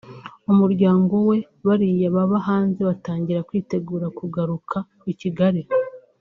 umuryango we bariya baba hanze batangira kwitegura kugaruka I Kigali